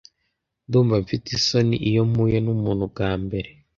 Ndumva mfite isoni iyo mpuye numuntu bwa mbere.